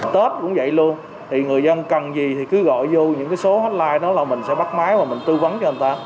tết cũng vậy luôn thì người dân cần gì thì cứ gọi vô những số hotline đó là mình sẽ bắt máy và mình tư vấn cho anh ta